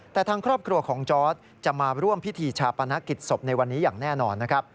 แต่ทางครอบครัวของจอร์ดจะมาร่วมพิธีชาปนกิจศพในวันนี้อย่างแน่นอนนะครับ